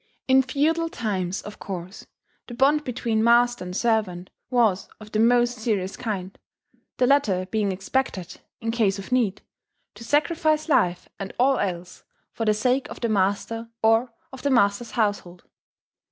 In feudal times, of course, the bond between master and servant was of the most serious kind; the latter being expected, in case of need, to sacrifice life and all else for the sake of the master or of the master's household.